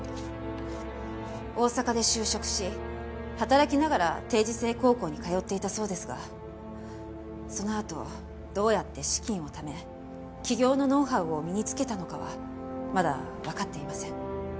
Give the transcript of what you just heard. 大阪で就職し働きながら定時制高校に通っていたそうですがそのあとどうやって資金をため起業のノウハウを身につけたのかはまだわかっていません。